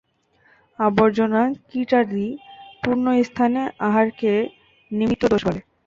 আবর্জনা-কীটাদি-পূর্ণ স্থানে আহারকে নিমিত্তদোষ বলে।